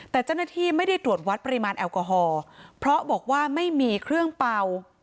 แต่เจ้าหน้าที่ไม่ได้ตรวจวัดปริมาณแอลกอฮอล์เพราะบอกว่าไม่มีเครื่องเป่า